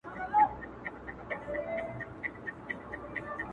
تېمورشاه رارسېږي